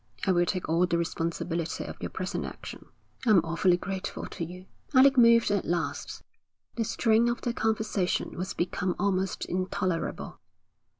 I will take all the responsibility of your present action.' 'I'm awfully grateful to you.' Alec moved at last. The strain of their conversation was become almost intolerable.